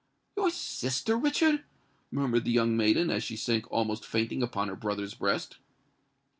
"Your sister, Richard!" murmured the young maiden, as she sank almost fainting upon her brother's breast.